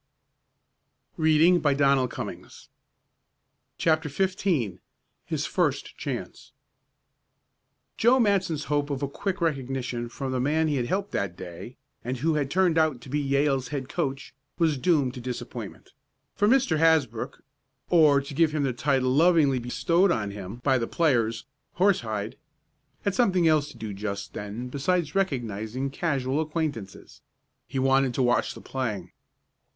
"I I wonder if he'll remember me?" CHAPTER XV HIS FIRST CHANCE Joe Matson's hope of a quick recognition from the man he had helped that day, and who had turned out to be Yale's head coach, was doomed to disappointment, for Mr. Hasbrook or, to give him the title lovingly bestowed on him by the players, "Horsehide" had something else to do just then besides recognizing casual acquaintances. He wanted to watch the playing.